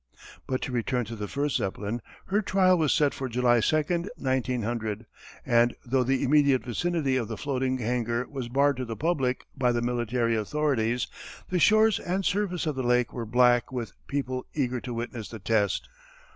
But to return to the first Zeppelin. Her trial was set for July 2, 1900, and though the immediate vicinity of the floating hangar was barred to the public by the military authorities, the shores and surface of the lake were black with people eager to witness the test.